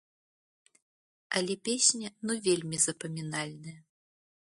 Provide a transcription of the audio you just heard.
Але песня ну вельмі запамінальная!